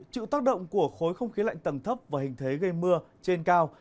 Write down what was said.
chịu tác động của khối không khí lạnh tầng thấp và hình thế gây mưa trên cao